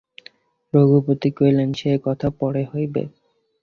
রঘুপতি কহিলেন, সে কথা পরে হইবে।